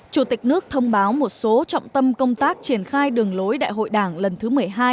chủ tịch nước thông báo một số trọng tâm công tác triển khai đường lối đại hội đảng lần thứ một mươi hai